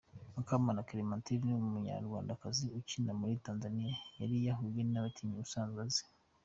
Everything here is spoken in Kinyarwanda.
Mukamana Clementine umunyarwakazi ukina muri Tanzania yari yahuye n'abakinnyi asanzwe azi .